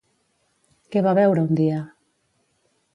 Què va veure un dia?